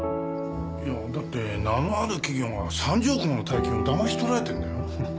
いやだって名のある企業が３０億もの大金をだまし取られてるんだよ。